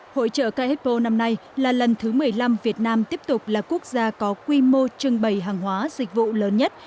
hội trợ ca expo năm nay là lần thứ một mươi năm việt nam tiếp tục là quốc gia có quy mô trưng bày hàng hóa dịch vụ lớn nhất